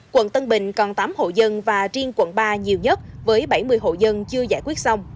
quận tân bình còn tám hộ dân và riêng quận ba nhiều nhất với bảy mươi hộ dân chưa giải quyết xong